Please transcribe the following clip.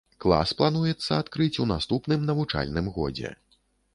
Клас плануецца адкрыць у наступным навучальным годзе.